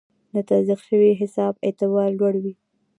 د تصدیق شوي حساب اعتبار لوړ وي.